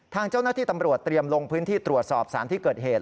ทางเจ้าหน้าที่ตำรวจเตรียมลงพื้นที่ตรวจสอบสารที่เกิดเหตุ